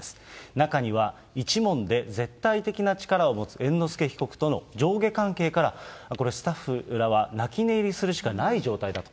中には、一門で絶対的な力を持つ猿之助被告との上下関係から、スタッフらは泣き寝入りするしかない状態だと。